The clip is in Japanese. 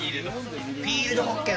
フィールドホッケー。